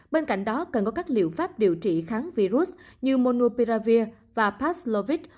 bên cạnh đó cần có các liệu pháp điều trị kháng virus như monopiravir và paxlovid